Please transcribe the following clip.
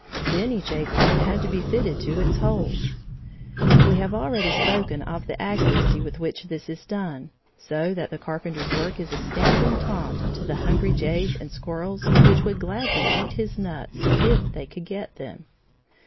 Then each acorn had to be fitted to its hole. We have already spoken of the accuracy with which this is done, so that the Carpenter's work is a standing taunt to the hungry jays and squirrels which would gladly eat his nuts if they could get them.